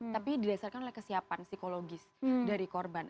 tapi didasarkan oleh kesiapan psikologis dari korban